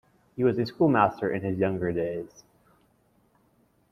He was a schoolmaster in his younger days.